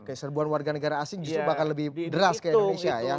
oke serbuan warganegara asing itu akan lebih deras kayak indonesia ya